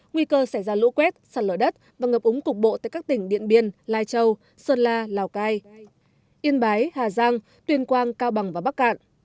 nguy cơ xảy ra lũ quét sạt lở đất và ngập úng cục bộ tại các tỉnh điện biên lai châu sơn la lào cai yên bái hà giang tuyên quang cao bằng và bắc cạn